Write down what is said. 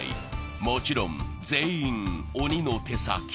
もちろん全員鬼の手先。